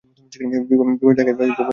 বিভা জাগিয়া বসিয়া ভাবিতেছে।